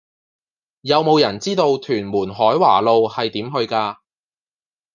有無人知道屯門海華路係點去㗎